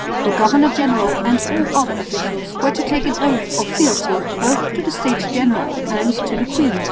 The governor general and all other officials were to take an oath of fealty both to the States General and to the queen.